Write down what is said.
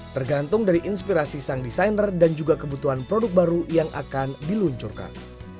tergantung dari inspirasi sang desainer dan juga kebutuhan produk baru yang akan diluncurkan